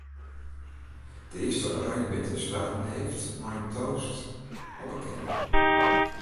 De earste oranjebitters waarden heefd mei in toast op 'e kening.